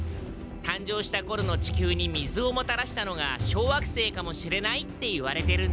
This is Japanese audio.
誕生したころの地球に水をもたらしたのが小惑星かもしれないって言われてるんだ。